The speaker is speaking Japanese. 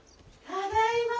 ただいま。